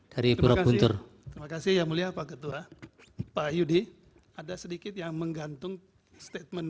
dari terima kasih terima kasih yang mulia pak ketua pak yudi ada sedikit yang menggantung statement